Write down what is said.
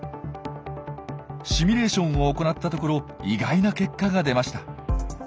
シミュレーションを行ったところ意外な結果が出ました。